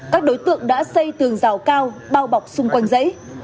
các đối tượng đã xây tường rào cao bao bọc xung quanh giấy